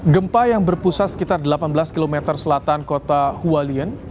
gempa yang berpusat sekitar delapan belas km selatan kota hualien